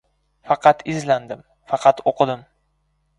Faqat izlandim, faqat o‘qidim.